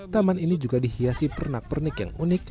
taman ini juga dihiasi pernak pernik yang unik